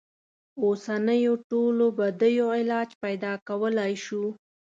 اوسنیو ټولو بدیو علاج پیدا کولای شو.